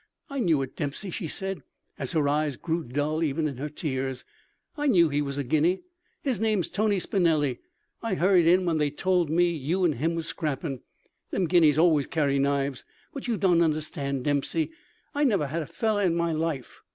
"I knew it, Dempsey," she said, as her eyes grew dull even in their tears. "I knew he was a Guinea. His name's Tony Spinelli. I hurried in when they told me you and him was scrappin'. Them Guineas always carries knives. But you don't understand, Dempsey. I never had a fellow in my life.